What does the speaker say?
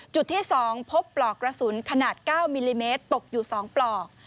จุดที่๒พบปลอกกระสุนขนาด๙มิลลิเมตรตกอยู่๒ปลอก